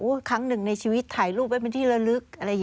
ครั้งหนึ่งในชีวิตถ่ายรูปไว้เป็นที่ละลึกอะไรอย่างนี้